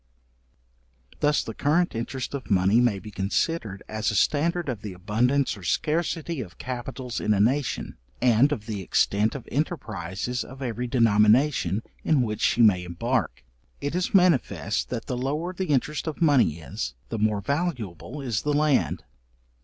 Thus the current interest of money may be considered as a standard of the abundance or scarcity of capitals in a nation, and of the extent of enterprises of every denomination, in which she may embark: it is manifest, that the lower the interest of money is, the more valuable is the land.